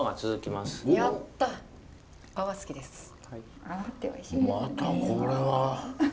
またこれは。